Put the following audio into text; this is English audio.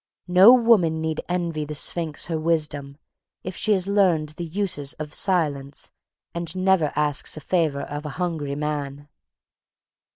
No woman need envy the Sphinx her wisdom if she has learned the uses of silence and never asks a favour of a hungry man.